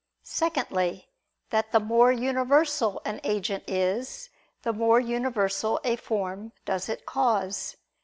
Secondly, that the more universal an agent is, the more universal a form does it cause.